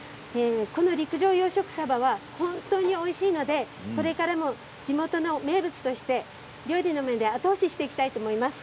この陸上養殖サバは本当においしいのでこれからも地元の名物として料理の面で後押ししていきたいと思います。